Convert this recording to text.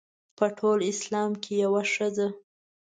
په ټول اسلام کې یوه ښځه.